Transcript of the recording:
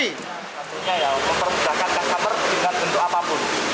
ini ya untuk mempermudahkan customer dengan bentuk apapun